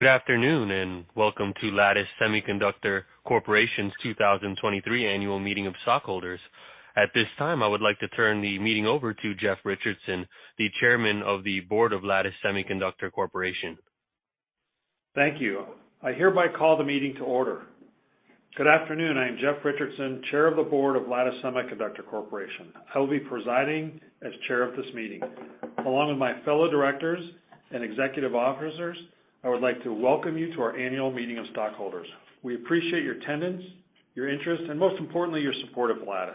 Good afternoon, and welcome to Lattice Semiconductor Corporation's 2023 Annual Meeting of Stockholders. At this time, I would like to turn the meeting over to Jeff Richardson, the Chairman of the Board of Lattice Semiconductor Corporation. Thank you. I hereby call the meeting to order. Good afternoon. I am Jeff Richardson, Chair of the Board of Lattice Semiconductor Corporation. I will be presiding as chair of this meeting. Along with my fellow directors and executive officers, I would like to welcome you to our annual meeting of stockholders. We appreciate your attendance, your interest, and most importantly, your support of Lattice.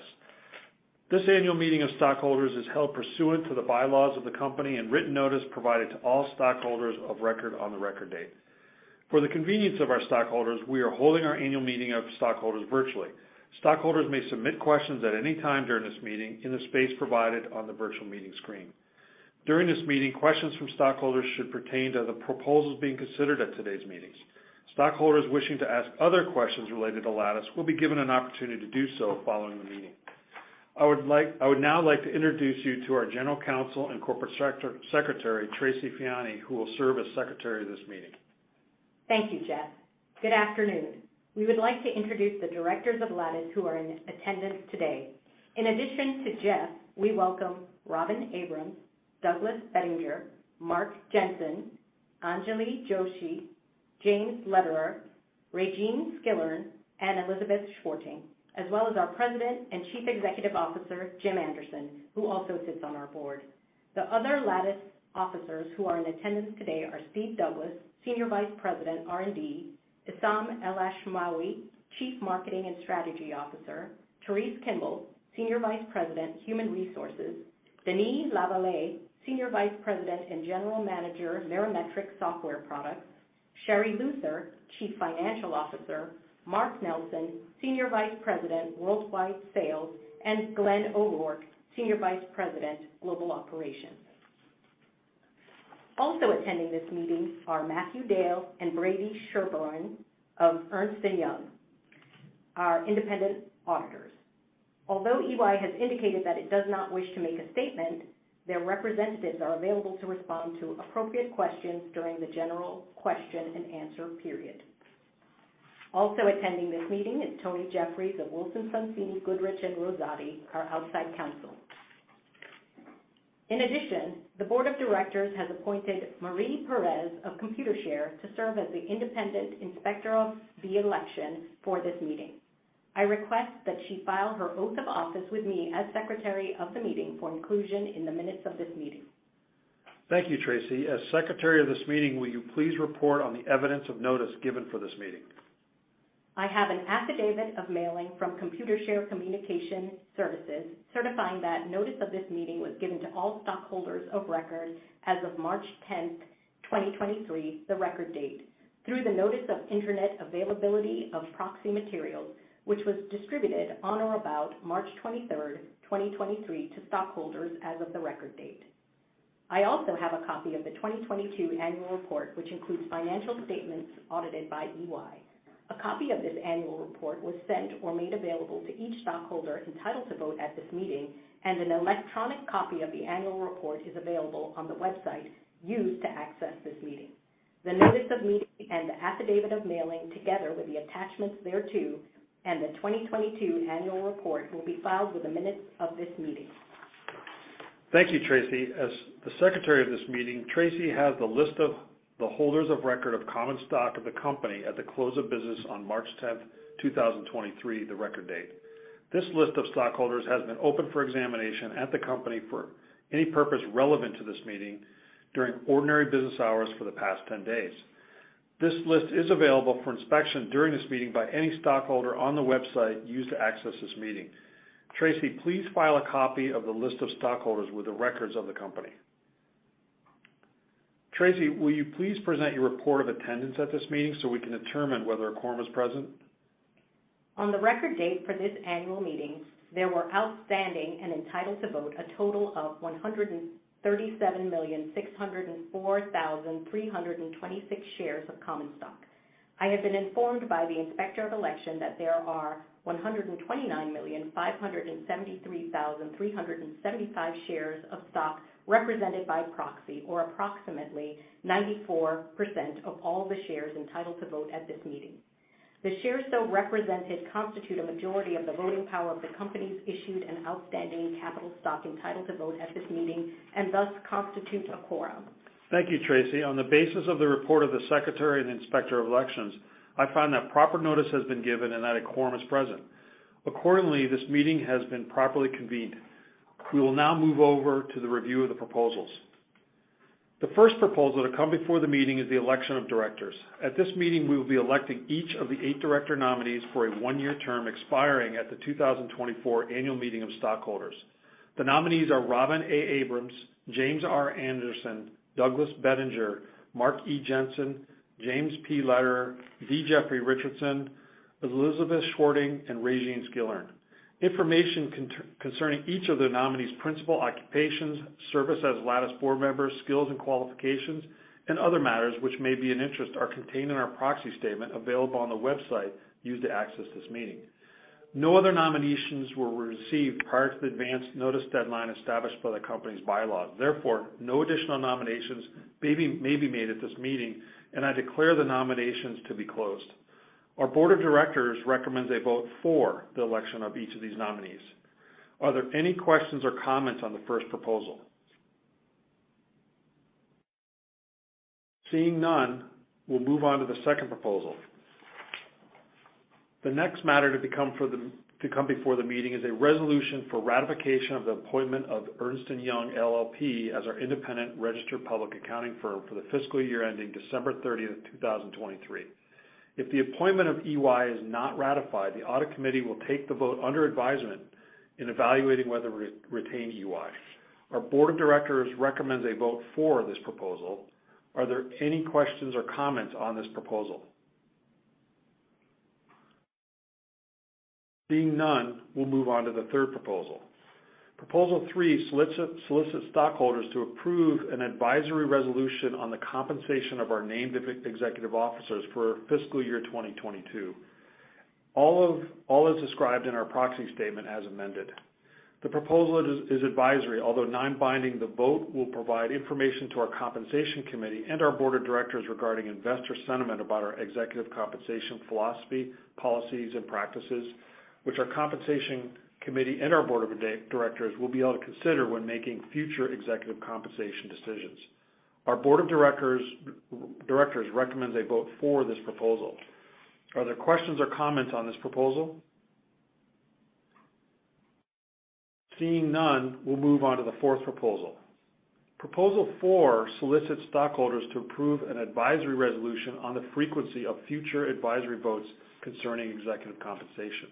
This annual meeting of stockholders is held pursuant to the bylaws of the company and written notice provided to all stockholders of record on the record date. For the convenience of our stockholders, we are holding our annual meeting of stockholders virtually. Stockholders may submit questions at any time during this meeting in the space provided on the virtual meeting screen. During this meeting, questions from stockholders should pertain to the proposals being considered at today's meetings. Stockholders wishing to ask other questions related to Lattice will be given an opportunity to do so following the meeting. I would now like to introduce you to our General Counsel and Corporate Secretary, Tracy Feanny, who will serve as secretary of this meeting. Thank you, Jeff. Good afternoon. We would like to introduce the directors of Lattice who are in attendance today. In addition to Jeff, we welcome Robin Abrams, Douglas Bettinger, Mark Jensen, Anjali Joshi, James Lederer, Raejeanne Skillern, and Elizabeth Schwarting, as well as our President and Chief Executive Officer, Jim Anderson, who also sits on our board. The other Lattice officers who are in attendance today are Steve Douglass, Senior Vice President, R&D. Esam Elashmawi, Chief Marketing and Strategy Officer. Terese Kemble, Senior Vice President, Human Resources. Denis Lavallee, Senior Vice President and General Manager, Nexus Software Products. Sherri Luther, Chief Financial Officer. Mark Nelson, Senior Vice President, Worldwide Sales, and Glenn O'Rourke, Senior Vice President, Global Operations. Also attending this meeting are Matthew Dale and Brady Scherbin of Ernst & Young, our independent auditors. Although EY has indicated that it does not wish to make a statement, their representatives are available to respond to appropriate questions during the general question-and-answer period. Also attending this meeting is Tony Jeffries of Wilson Sonsini Goodrich & Rosati, our outside counsel. In addition, the board of directors has appointed Marie Perez of Computershare to serve as the independent inspector of the election for this meeting. I request that she file her oath of office with me as secretary of the meeting for inclusion in the minutes of this meeting. Thank you, Tracy. As secretary of this meeting, will you please report on the evidence of notice given for this meeting? I have an affidavit of mailing from Computershare Communication Services certifying that notice of this meeting was given to all stockholders of record as of March 10th, 2023, the record date, through the notice of Internet availability of proxy materials, which was distributed on or about March 23rd, 2023, to stockholders as of the record date. I also have a copy of the 2022 annual report, which includes financial statements audited by EY. A copy of this annual report was sent or made available to each stockholder entitled to vote at this meeting, and an electronic copy of the annual report is available on the website used to access this meeting. The notice of meeting and the affidavit of mailing, together with the attachments thereto and the 2022 annual report, will be filed with the minutes of this meeting. Thank you, Tracy. As the Secretary of this meeting, Tracy has the list of the holders of record of common stock of the company at the close of business on March 10th, 2023, the record date. This list of stockholders has been open for examination at the company for any purpose relevant to this meeting during ordinary business hours for the past 10 days. This list is available for inspection during this meeting by any stockholder on the website used to access this meeting. Tracy, please file a copy of the list of stockholders with the records of the company. Tracy, will you please present your report of attendance at this meeting so we can determine whether a quorum is present? On the record date for this annual meeting, there were outstanding and entitled to vote a total of 137,604,326 shares of common stock. I have been informed by the inspector of election that there are 129,573,375 shares of stock represented by proxy, or approximately 94% of all the shares entitled to vote at this meeting. The shares so represented constitute a majority of the voting power of the company's issued and outstanding capital stock entitled to vote at this meeting, and thus constitute a quorum. Thank you, Tracy. On the basis of the report of the secretary and the inspector of elections, I find that proper notice has been given and that a quorum is present. Accordingly, this meeting has been properly convened. We will now move over to the review of the proposals. The first proposal to come before the meeting is the election of directors. At this meeting, we will be electing each of the eight director nominees for a one-year term expiring at the 2024 annual meeting of stockholders. The nominees are Robin A. Abrams, James R. Anderson, Douglas Bettinger, Mark E. Jensen, James P. Lederer, D. Jeffrey Richardson, Elizabeth Schwarting, and Raejeanne Skillern. Information concerning each of the nominees' principal occupations, service as Lattice board members, skills and qualifications, and other matters which may be an interest, are contained in our proxy statement available on the website used to access this meeting. No other nominations were received prior to the advanced notice deadline established by the company's bylaws. Therefore, no additional nominations may be made at this meeting, and I declare the nominations to be closed. Our board of directors recommends a vote for the election of each of these nominees. Are there any questions or comments on the first proposal? Seeing none, we'll move on to the second proposal. The next matter to come before the meeting is a resolution for ratification of the appointment of Ernst & Young LLP as our independent registered public accounting firm for the fiscal year ending December 30th, 2023. If the appointment of EY is not ratified, the audit committee will take the vote under advisement in evaluating whether to re-retain EY. Our board of directors recommends a vote for this proposal. Are there any questions or comments on this proposal? Seeing none, we'll move on to the third proposal. Proposal 3 solicits stockholders to approve an advisory resolution on the compensation of our named executive officers for fiscal year 2022, all as described in our proxy statement as amended. The proposal is advisory. Although non-binding, the vote will provide information to our Compensation Committee and our board of directors regarding investor sentiment about our executive compensation philosophy, policies, and practices, which our Compensation Committee and our board of directors will be able to consider when making future executive compensation decisions. Our board of directors recommends a vote for this proposal. Are there questions or comments on this proposal? Seeing none, we'll move on to the fourth proposal. Proposal four solicits stockholders to approve an advisory resolution on the frequency of future advisory votes concerning executive compensation.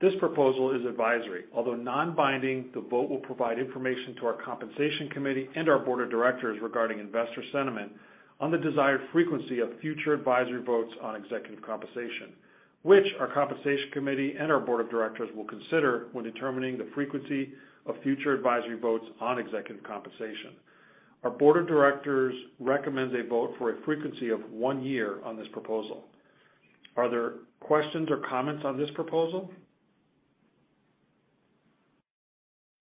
This proposal is advisory. Although non-binding, the vote will provide information to our Compensation Committee and our Board of Directors regarding investor sentiment on the desired frequency of future advisory votes on executive compensation, which our Compensation Committee and our Board of Directors will consider when determining the frequency of future advisory votes on executive compensation. Our Board of Directors recommends a vote for a frequency of one year on this proposal. Are there questions or comments on this proposal?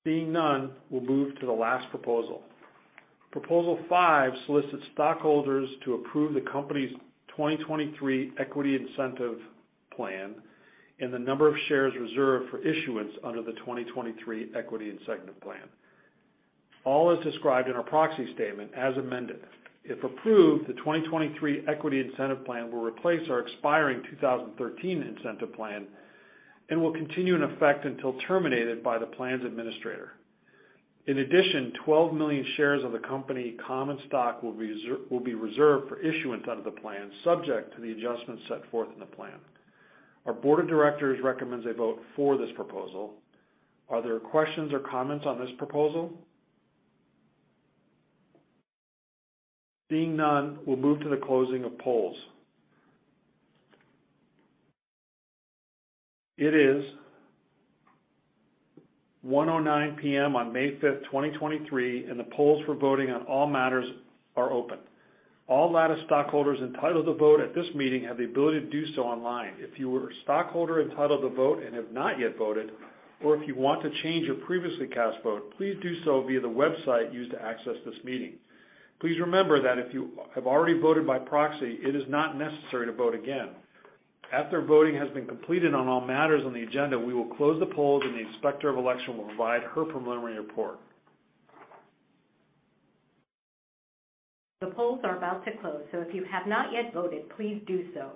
Seeing none, we'll move to the last proposal. Proposal five solicits stockholders to approve the company's 2023 Equity Incentive Plan and the number of shares reserved for issuance under the 2023 Equity Incentive Plan, all as described in our proxy statement as amended. If approved, the 2023 Equity Incentive Plan will replace our expiring 2013 Incentive Plan and will continue in effect until terminated by the plan's administrator. In addition, 12 million shares of the company common stock will be reserved for issuance under the plan, subject to the adjustments set forth in the plan. Our board of directors recommends a vote for this proposal. Are there questions or comments on this proposal? Seeing none, we'll move to the closing of polls. It is 1:09 P.M. on May 5th, 2023, and the polls for voting on all matters are open. All Lattice stockholders entitled to vote at this meeting have the ability to do so online. If you are a stockholder entitled to vote and have not yet voted, or if you want to change your previously cast vote, please do so via the website used to access this meeting. Please remember that if you have already voted by proxy, it is not necessary to vote again. After voting has been completed on all matters on the agenda, we will close the polls, and the inspector of election will provide her preliminary report. The polls are about to close. If you have not yet voted, please do so.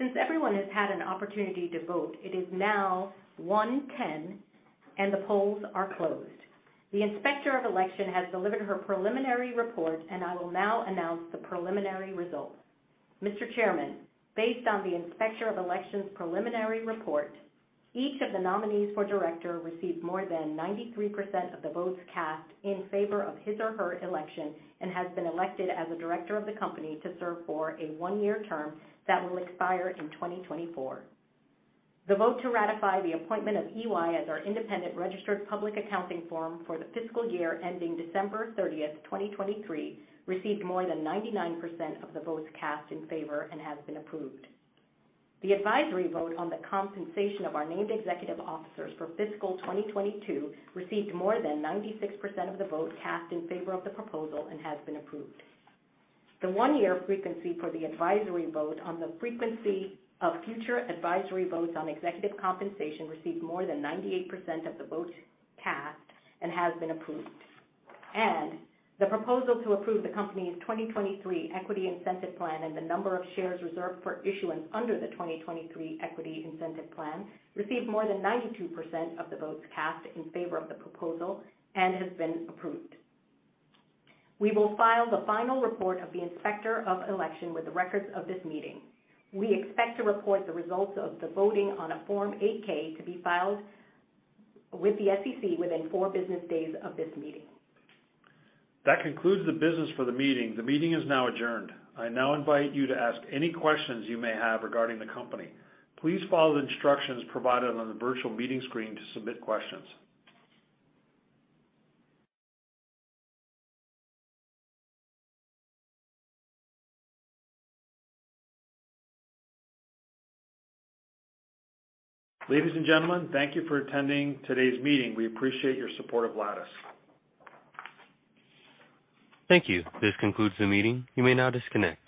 Since everyone has had an opportunity to vote, it is now 1:10 P.M. The polls are closed. The inspector of election has delivered her preliminary report. I will now announce the preliminary results. Mr. Chairman, based on the inspector of election's preliminary report, each of the nominees for director received more than 93% of the votes cast in favor of his or her election and has been elected as a director of the company to serve for a one-year term that will expire in 2024. The vote to ratify the appointment of EY as our independent registered public accounting firm for the fiscal year ending December 30th, 2023, received more than 99% of the votes cast in favor and has been approved. The advisory vote on the compensation of our named executive officers for fiscal 2022 received more than 96% of the vote cast in favor of the proposal and has been approved. The one-year frequency for the advisory vote on the frequency of future advisory votes on executive compensation received more than 98% of the votes cast and has been approved. The proposal to approve the company's 2023 Equity Incentive Plan and the number of shares reserved for issuance under the 2023 Equity Incentive Plan received more than 92% of the votes cast in favor of the proposal and has been approved. We will file the final report of the inspector of election with the records of this meeting. We expect to report the results of the voting on a Form 8-K to be filed with the SEC within four business days of this meeting. That concludes the business for the meeting. The meeting is now adjourned. I now invite you to ask any questions you may have regarding the company. Please follow the instructions provided on the virtual meeting screen to submit questions. Ladies and gentlemen, thank you for attending today's meeting. We appreciate your support of Lattice. Thank you. This concludes the meeting. You may now disconnect.